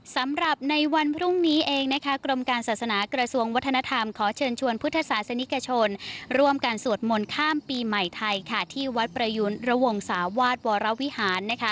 สำหรับในวันพรุ่งนี้เองกรมการศาสนากระทรวงวัฒนธรรมขอเชิญชวนพุทธศาสนิกชนร่วมกันสวดมนต์ข้ามปีใหม่ไทยที่วัดประยุณระวงศาวาสวรวิหาร